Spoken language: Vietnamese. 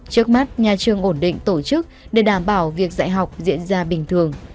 trước mắt nhà trường ổn định tổ chức để đảm bảo việc dạy học diễn ra bình thường